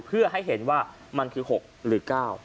เพื่อให้เห็นว่ามันคือ๖หรือ๙